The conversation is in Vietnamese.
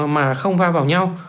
mà không va vào nhau